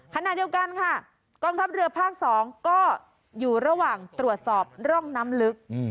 ขณะเดียวกันค่ะกองทัพเรือภาค๒ก็อยู่ระหว่างตรวจสอบร่องน้ำลึก